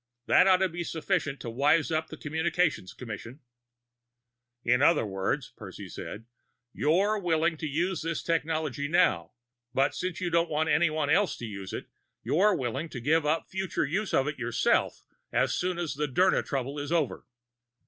That ought to be sufficient to wise up the Communications Commission." "In other words," Percy said, "you're willing to use this technique now. But since you don't want anyone else to use it, you're willing to give up future use of it yourself as soon as the Dirna trouble is over."